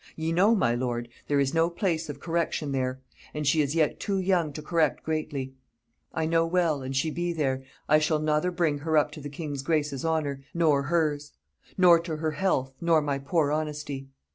Ye know, my lord, there is no place of correction there. And she is yet too young to correct greatly. I know well, and she be there, I shall nother bring her up to the king's grace's honour, nor hers; nor to her health, nor my poor honesty.